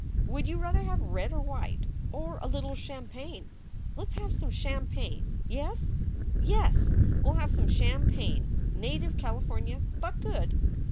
Would you rather have red or white? or a little champagne? Let s have some champagne yes? Yes, we ll have some champagne native California but good."